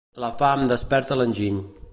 La fam desperta l'enginy.